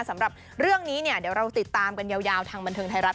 สำหรับเรื่องนี้เนี่ยเดี๋ยวเราติดตามกันยาวทางบันเทิงไทยรัฐ